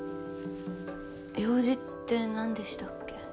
用事って何でしたっけ？